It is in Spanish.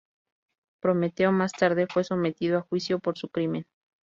Prometeo más tarde fue sometido a juicio por su crimen.